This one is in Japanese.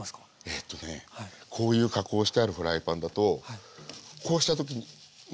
えとねこういう加工をしてあるフライパンだとこうした時に滑りが良くなるぐらい。